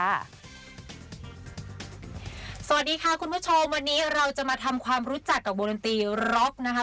สวัสดีค่ะคุณผู้ชมวันนี้เราจะมาทำความรู้จักกับวงดนตรีร็อกนะคะ